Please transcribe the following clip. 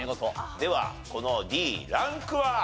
ではこのＤランクは？